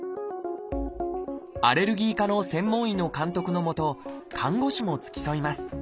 アレルギー科の専門医の監督の下看護師も付き添います。